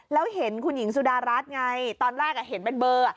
แล้วเห็นคุณหญิงสุดารัฐไงตอนแรกเห็นเป็นเบอร์